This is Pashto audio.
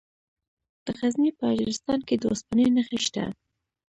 د غزني په اجرستان کې د اوسپنې نښې شته.